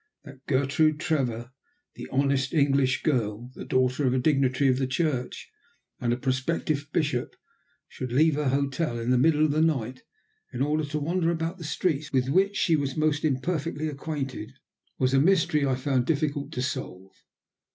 That Gertrude Trevor, the honest English girl, the daughter of a dignitary of the Church and a prospective bishop, should leave her hotel in the middle of the night in order to wander about streets with which she was most imperfectly acquainted, was a mystery I found difficult to solve.